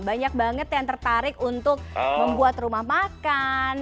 banyak banget yang tertarik untuk membuat rumah makan